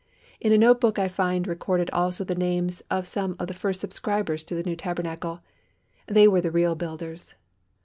In a note book I find recorded also the names of some of the first subscribers to the new Tabernacle. They were the real builders.